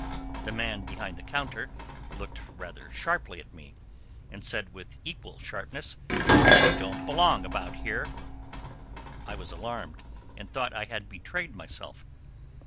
The man behind the counter looked rather sharply at me, and said with equal sharpness, "You don't belong about here." I was alarmed, and thought I had betrayed myself.